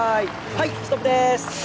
はいストップでーす！